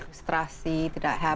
ilustrasi tidak happy